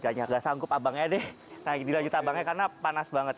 gak sanggup abangnya deh naik dilanjut abangnya karena panas banget